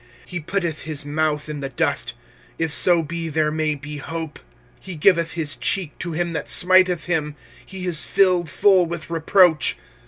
25:003:029 He putteth his mouth in the dust; if so be there may be hope. 25:003:030 He giveth his cheek to him that smiteth him: he is filled full with reproach.